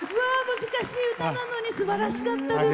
難しい歌なのにすばらしかったです。